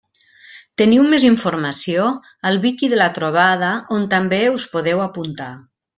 Teniu més informació al Wiki de la trobada on també us podeu apuntar.